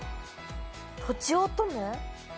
とちおとめ。